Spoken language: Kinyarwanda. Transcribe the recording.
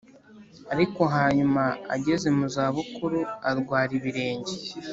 Ariko hanyuma ageze mu za bukuru arwara ibirenge